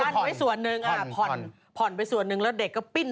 เขายังช่วยผ่อน